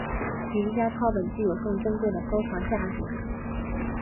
名家抄本具有更珍贵的收藏价值。